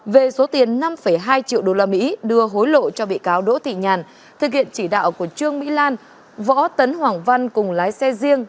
về số tiền năm hai triệu usd đưa hối lộ cho bị cáo đỗ thị nhàn thực hiện chỉ đạo của trương mỹ lan võ tấn hoàng văn cùng lái xe riêng